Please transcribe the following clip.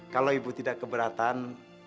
kalau ibu tidak keberatan